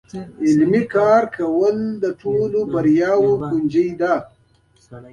عملي کار کول د ټولو بریاوو بنسټیزه کنجي ده.